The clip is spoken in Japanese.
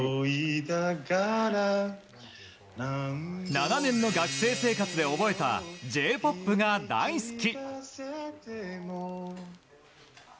７年の学生生活で覚えたＪ‐ＰＯＰが大好き。